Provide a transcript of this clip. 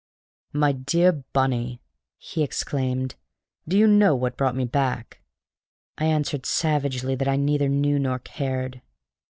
"My dear Bunny!" he exclaimed. "Do you know what brought me back?" I answered savagely that I neither knew nor cared.